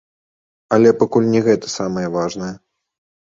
Але пакуль не гэта самае важнае.